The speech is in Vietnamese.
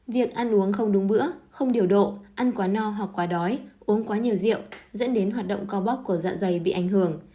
việc ăn uống không đúng bữa không điều độ ăn quá no hoặc quá đói uống quá nhiều rượu dẫn đến hoạt động co bóc của dạ dày bị ảnh hưởng